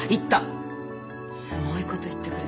すごいこと言ってくれた。